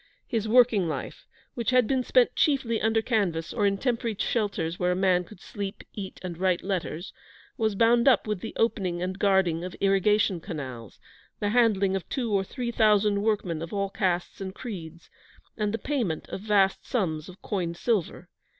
His working life, which had been spent chiefly under canvas or in temporary shelters where a man could sleep, eat, and write letters, was bound up with the opening and guarding of irrigation canals, the handling of two or three thousand workmen of all castes and creeds, and the payment of vast sums of coined silver.